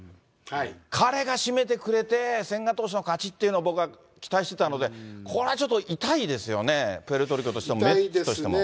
彼がしめてくれて、千賀投手の勝ちっていうの、僕は期待してたので、これはちょっと痛いですよね、プエルトリコとしてもメッツとして痛いですね。